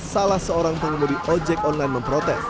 salah seorang pengemudi ojek online memprotes